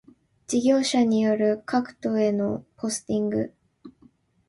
事業者による各戸へのポスティング